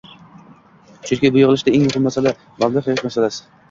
Chunki bu yig'ilishda eng muhim masala - mablag 'yig'ish masalasi